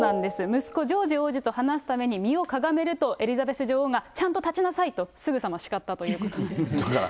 息子、ジョージ王子と話すために、身をかがめると、エリザベス女王が、ちゃんと立ちなさいと、すぐさま叱ったということなんです。